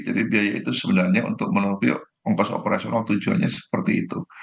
jadi biaya itu sebenarnya untuk menelupi ongkos operasional tujuannya seperti itu